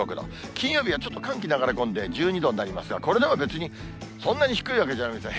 金曜日はちょっと寒気流れ込んで１２度になりますが、これでも別に、そんなに低いわけじゃありません。